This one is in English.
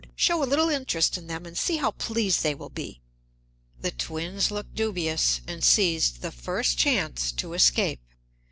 Show a little interest in them and see how pleased they will be!" The twins looked dubious, and seized the first chance to escape.